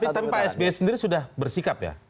tapi pak sby sendiri sudah bersikap ya